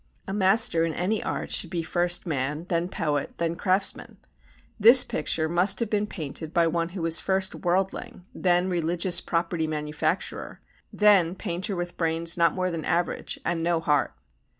A master in any art should be first man, then poet, then craftsman; this picture must have been painted by one who was first worldling, then religious property manufacturer, then painter with brains not more than average and no heart.